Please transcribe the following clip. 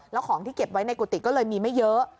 แล้วของที่เก็บไว้ในกุฏิก็เลยมีไม่เยอะ